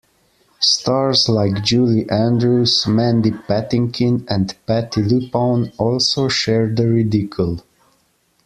Stars like Julie Andrews, Mandy Patinkin, and Patti Lupone also share the ridicule.